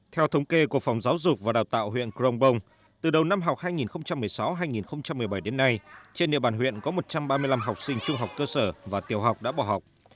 theo thống kê của phòng giáo dục và đào tạo huyện crong bông từ đầu năm học hai nghìn một mươi sáu hai nghìn một mươi bảy đến nay trên địa bàn huyện có một trăm ba mươi năm học sinh trung học cơ sở và tiểu học đã bỏ học